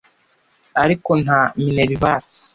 ariko nta Minerval